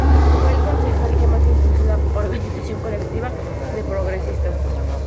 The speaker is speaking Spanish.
Fue el concejal que más impulso la organización colectiva de Progresistas.